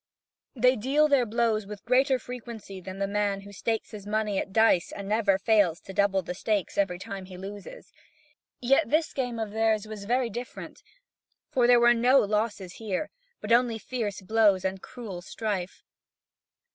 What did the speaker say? They deal their blows with greater frequency than the man who stakes his money at dice and never fails to double the stakes every time he loses; yet, this game of theirs was very different; for there were no losses here, but only fierce blows and cruel strife.